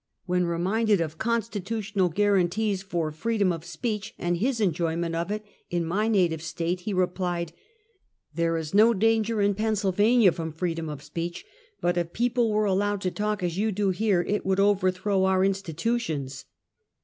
When reminded of constitutional guarantees for freedom of speech, and his enjoyment of it in my native State, he replied : "There is no danger in Pennsvlvania from freedom of speech, but if people were allowed to talk as you do here, it would overthrow our institutions."